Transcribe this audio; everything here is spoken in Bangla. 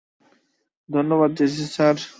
ধন্যবাদ জেসি স্যার!